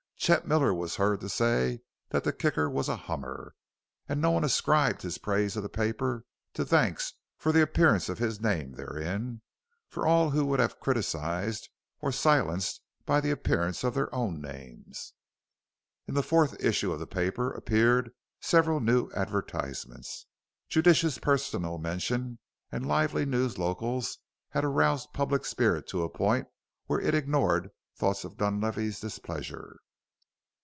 Chet Miller was heard to say that the Kicker was a "hummer," and no one ascribed his praise of the paper to thanks for the appearance of his name therein, for all who would have criticized were silenced by the appearance of their own names. In the fourth issue of the paper appeared several new advertisements. Judicious personal mention and lively news locals had aroused public spirit to a point where it ignored thoughts of Dunlavey's displeasure.